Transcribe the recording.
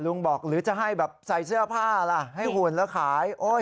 บอกหรือจะให้แบบใส่เสื้อผ้าล่ะให้หุ่นแล้วขาย